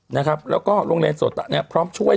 นะครับแล้วก็โรงเรียนโสดตะเนี่ยพร้อมช่วย